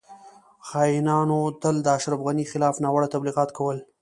خاینانو تل د اشرف غنی خلاف ناوړه تبلیغات کول